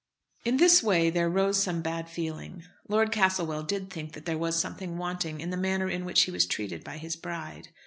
In this way there rose some bad feeling. Lord Castlewell did think that there was something wanting in the manner in which he was treated by his bride.